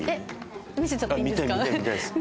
見せちゃっていいんですか？